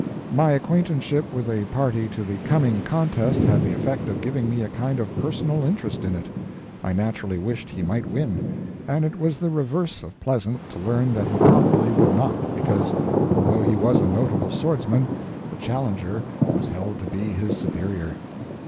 My acquaintanceship with a party to the coming contest had the effect of giving me a kind of personal interest in it; I naturally wished he might win, and it was the reverse of pleasant to learn that he probably would not, because, although he was a notable swordsman, the challenger was held to be his superior.